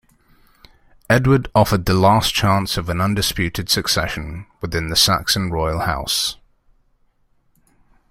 Edward offered the last chance of an undisputed succession within the Saxon royal house.